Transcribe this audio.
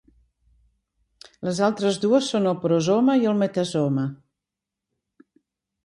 Les altres dues són el prosoma i el metasoma.